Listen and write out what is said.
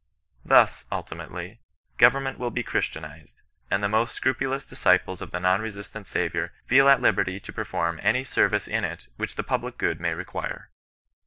Thus, ultimately, govemnaent will be christianized, and the most scrupulous disciples of the non resistant Saviour feel at liberty to perform any ser vice in it which the public good may require.